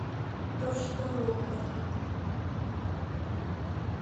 ТОШТО РУМБЫК